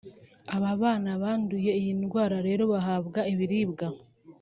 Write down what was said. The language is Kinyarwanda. Abana banduye iyi ndwara rero bahabwa ibiribwa